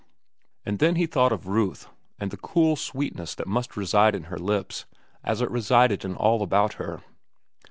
And then he thought of Ruth and the cool sweetness that must reside in her lips as it resided in all about her.